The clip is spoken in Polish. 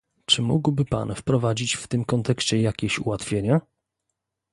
Czy mógłby Pan wprowadzić w tym kontekście jakieś ułatwienia?